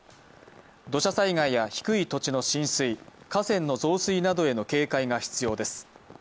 土砂災害や低い土地の浸水河川の増水などへの警戒が必要です。